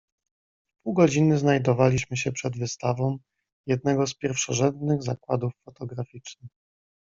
"W pół godziny znajdowaliśmy się przed wystawą jednego z pierwszorzędnych zakładów fotograficznych."